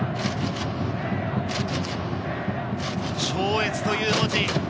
「超越」という文字。